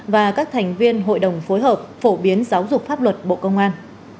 và các thành viên hội đồng phối hợp phổ biến giáo dục pháp luật bộ công an